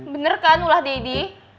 bener kan ulah daddy